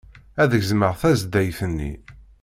Ad gezmeɣ tazdayt-nni.